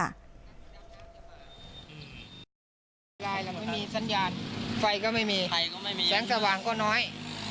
ไม่มีสัญญาณไฟก็ไม่มีไฟก็ไม่มีแสงสว่างก็น้อย